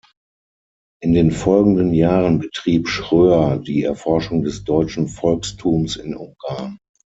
In den folgenden Jahren betrieb Schröer die Erforschung des deutschen Volkstums in Ungarn.